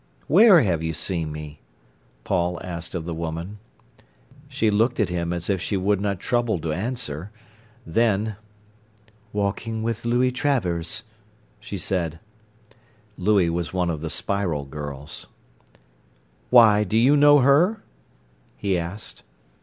"Where have you seen me?" Paul asked of the woman. She looked at him as if she would not trouble to answer. Then: "Walking with Louie Travers," she said. Louie was one of the "Spiral" girls. "Why, do you know her?" he asked.